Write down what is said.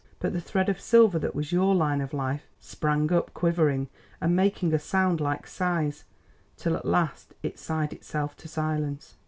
But the thread of silver that was your line of life, sprang up quivering and making a sound like sighs, till at last it sighed itself to silence.